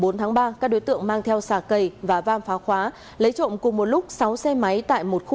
đến đời sống xã hội